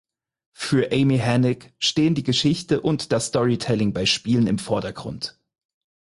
Für Amy Hennig stehen die Geschichte und das Storytelling bei Spielen im Vordergrund.